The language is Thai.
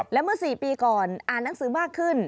และเมื่อ๔ปีก่อนอ่านหนังสือมากขึ้น